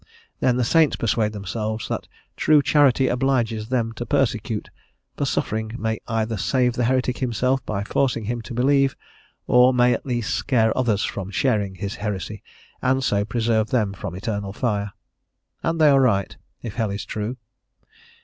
Then the saints persuade themselves that true charity obliges them to persecute, for suffering may either save the heretic himself by forcing him to believe, or may at least scare others from sharing his heresy, and so preserve them from eternal fire. And they are right, if hell is true.